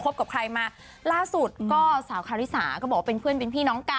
กับใครมาล่าสุดก็สาวคาริสาก็บอกว่าเป็นเพื่อนเป็นพี่น้องกัน